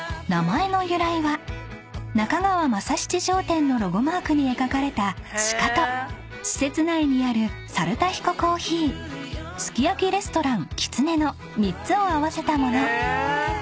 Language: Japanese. ［中川政七商店のロゴマークに描かれた鹿と施設内にある猿田彦珈琲すき焼きレストランつねの３つを合わせたもの］